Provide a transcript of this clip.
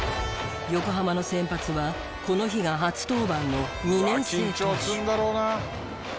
横浜の先発はこの日が初登板の２年生投手。